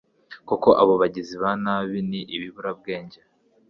Koko abo bagizi ba nabi ni ibiburabwenge